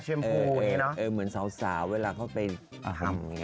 เหมือนสาวเวลาเขาไปทำอย่างนี้